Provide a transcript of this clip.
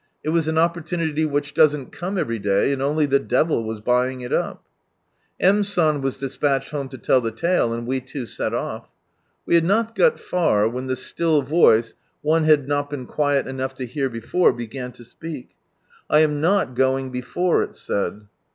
It was an opportunity which doesn't come every day, and only the Devil was buying it up. M, San was des|iatched home to tell the tale, and we two set off. We had not got far when the Still Voice, one had not been quiec enough to hear before, began to speak. " I am not going before," It said.